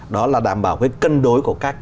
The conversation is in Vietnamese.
đó là đảm bảo cân đối của các